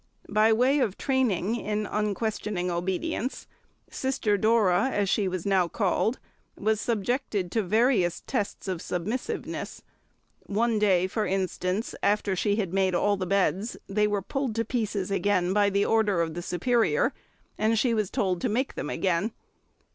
By way of training in unquestioning obedience, Sister Dora, as she was now called, was subjected to various tests of submissiveness; one day, for instance, after she had made all the beds, they were pulled to pieces again by the order of the Superior, and she was told to make them again.